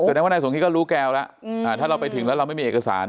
แสดงว่านายสมคิดก็รู้แก้วแล้วถ้าเราไปถึงแล้วเราไม่มีเอกสาร